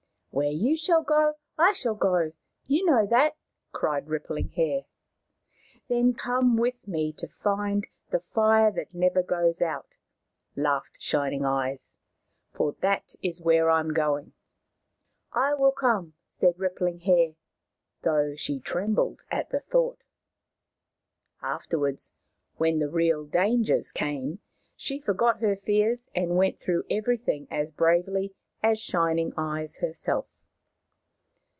" Where you go I shall go — you know that !" cried Rippling Hair. " Then come with me to find the Fire that never goes out," laughed Shining Eyes, " for that is where I am going." How the Moon was Made 51 " I will come/' said Rippling Hair, though she trembled at the thought. Afterwards, when the real dangers came, she forgot her fears and went through everything as bravely as Shining Eyes herself.